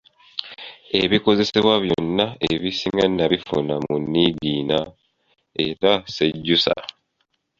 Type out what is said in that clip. Ebikozesebwa byonna ebisinga nnabifuna mu Niigiina, era ssejjusa.’’